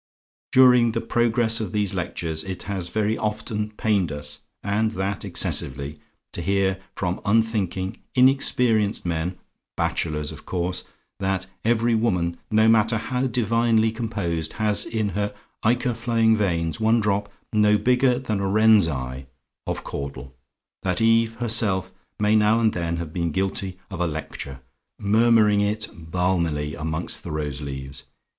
During the progress of these Lectures, it has very often pained us, and that excessively, to hear from unthinking, inexperienced men bachelors of course that every woman, no matter how divinely composed, has in her ichor flowing veins one drop "no bigger than a wren's eye" of Caudle; that Eve herself may now and then have been guilty of a lecture, murmuring it balmily amongst the rose leaves.